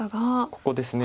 ここですね。